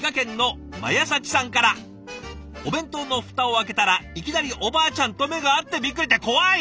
「お弁当のフタを開けたらいきなりおばあちゃんと目が合ってビックリ！」って怖い！